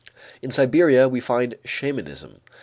In Siberia, we find shamanism.